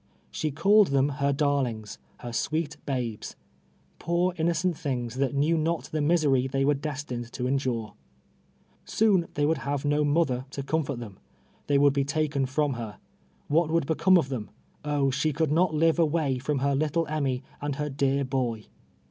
She called them her darlings —• her sweet babes — poor innocent things, that knew not the misery they were destined to endure. Soon they would have no mother to comfort them — they would l)e taken from her. AVhat would become of them ? Oh I she could not live av^'ay from her little Emmy and her dear boy.